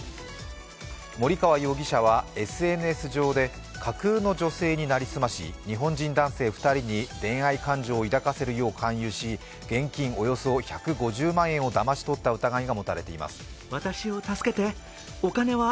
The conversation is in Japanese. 森川容疑者はＳＮＳ上で架空の女性に成り済まし日本人男性２人に恋愛感情を抱かせるよう勧誘し、現金およそ１５０万円をだまし取った疑いが持たれています。